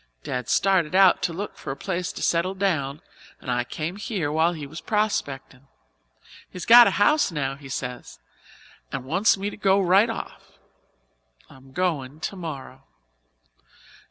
Dad started out to look for a place to settle down and I came here while he was prospectin'. He's got a house now, he says, and wants me to go right off. I'm goin' tomorrow."